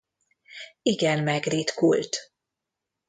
Igen megritkult.